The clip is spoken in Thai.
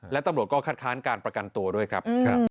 และตำรวจก็คัดค้านการประกันตัวด้วยครับ